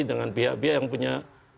dengan pihak pihak yang punya